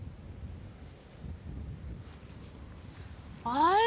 あれ？